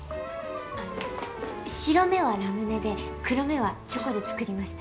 あの白目はラムネで黒目はチョコで作りました。